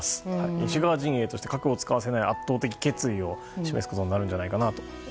西側陣営として、核を使わせない圧倒的決意を示すことになるんじゃないかなと。